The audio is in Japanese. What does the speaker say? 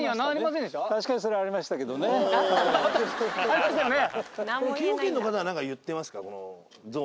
ありましたよね。